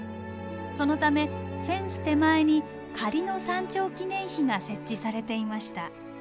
そのためフェンス手前に仮の山頂記念碑が設置されていました。